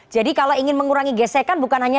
jadi kalau ingin mengurangi gesekan bukan hanya